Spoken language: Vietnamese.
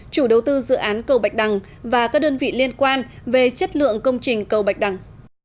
chủ đầu tư dự án cầu bạch đằng và các đơn vị liên quan về chất lượng công trình cầu bạch đằng